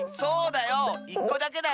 １こだけだよ！